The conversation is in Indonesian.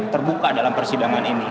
terbuka dalam persidangan ini